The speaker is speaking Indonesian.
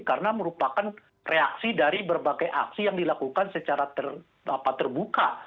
karena merupakan reaksi dari berbagai aksi yang dilakukan secara terbuka